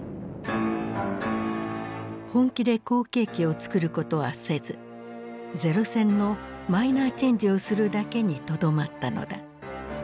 本気で後継機をつくることはせず零戦のマイナーチェンジをするだけにとどまったのだ。